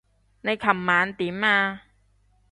你琴晚點啊？